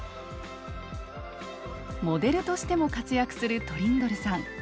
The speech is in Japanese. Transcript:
モデルとしても活躍するトリンドルさん。